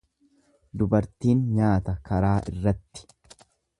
Dubartiin nyaata karaa irratti.